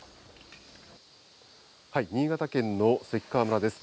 新潟県の関川村です。